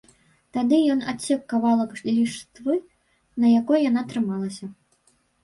Тады ён адсек кавалак ліштвы, на якой яна трымалася.